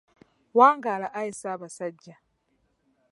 Wangala ayi Ssaabasajja.